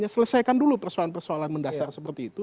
selesaikan dulu persoalan persoalan mendasar seperti itu